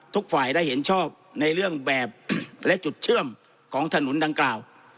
ทุกฝ่ายได้เห็นชอบในเรื่องแบบและจุดเชื่อมของถนนดังกล่าว